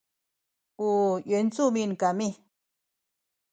u yuancumin kami